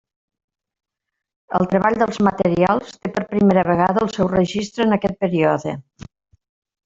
El treball dels materials té per primera vegada el seu registre en aquest període.